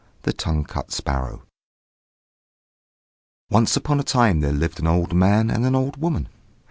THE TONGUE CUT SPARROW Once upon a time there lived an old man and an old woman.